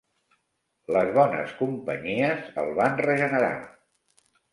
Les bones companyies el van regenerar.